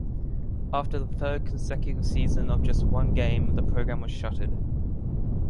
After the third consecutive season of just one game the program was shuttered.